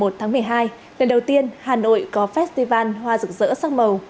lần đầu tiên hà nội có festival hoa rực rỡ sắc màu